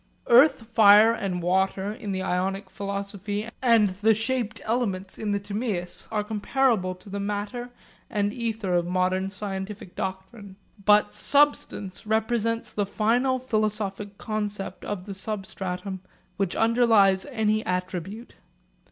Earth, fire, and water in the Ionic philosophy and the shaped elements in the Timaeus are comparable to the matter and ether of modern scientific doctrine. But substance represents the final philosophic concept of the substratum which underlies any attribute.